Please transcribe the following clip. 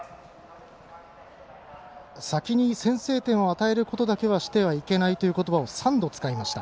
先に先制点を与えることだけはしていけないということばを３度使いました。